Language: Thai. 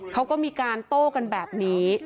เขาก็มีการโต้กันแบบนี้